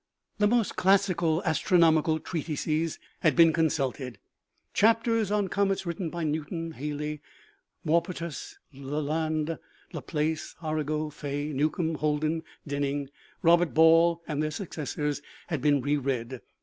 The most classical astronomical treatises had been consulted ; chapters on comets written by Newton, Halley, Maupertuis, Lalande, Laplace, Arago, Faye, Newcomb, Holden, Denning, Robert Ball, and their successors, had been re read.